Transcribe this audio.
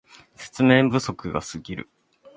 説明不足がすぎる